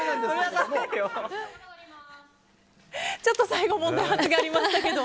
ちょっと最後問題発言ありましたけど。